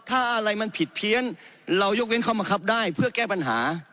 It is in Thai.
ถ้าอะไรมันผิดเพี้ยนเรายกเว้นข้อมะครับได้เพื่อแก้ปัญหา